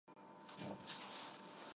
Բերանը գտնվում է դնչի ստորին մասում։